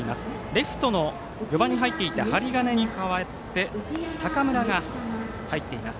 レフトの４番に入っていた針金に変わって高村が入っています。